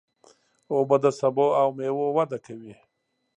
اوبه د سبو او مېوو وده کوي.